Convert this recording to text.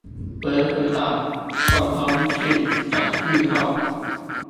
歸戶到共通性載具後